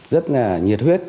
rất là nhiệt huyết